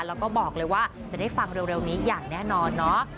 แล้วก็บอกเลยว่าจะได้ฟังเร็วนี้อย่างแน่นอนเนาะ